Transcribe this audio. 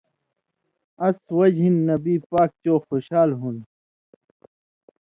اَس وجہۡ ہِن نبی پاک چو خوشال ہُون٘دوۡ۔